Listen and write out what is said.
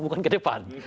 bukan ke depan